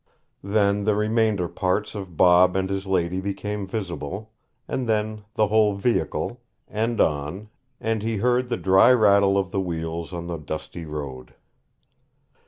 Then the remainder parts of Bob and his lady became visible, and then the whole vehicle, end on, and he heard the dry rattle of the wheels on the dusty road.